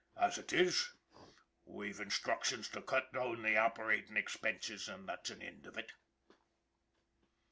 As ut is, we've instructions to cut down the operatin' expinses, an' there's an ind on ut!